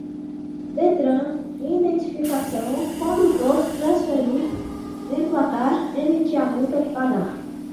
detran, identificação, condutor, transferir, emplacar, emitir a multa, pagar